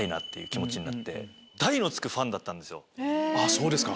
そうですか。